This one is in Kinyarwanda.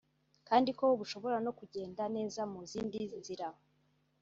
kandi ko bushobora no kugenda neza mu zindi nzira